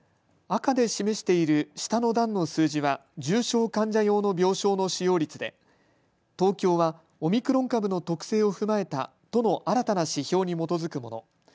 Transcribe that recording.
赤で示している下の段の数字は重症患者用の病床の使用率で東京はオミクロン株の特性を踏まえた都の新たな指標に基づくもの。